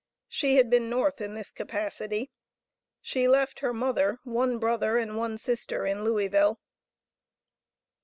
She had been North in this capacity. She left her mother, one brother, and one sister in Louisville.